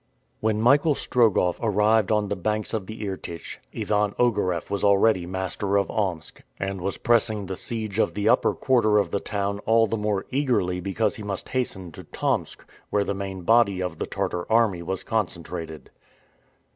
When Michael Strogoff arrived on the banks of the Irtych, Ivan Ogareff was already master of Omsk, and was pressing the siege of the upper quarter of the town all the more eagerly because he must hasten to Tomsk, where the main body of the Tartar army was concentrated.